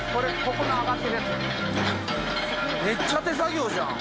めっちゃ手作業じゃん。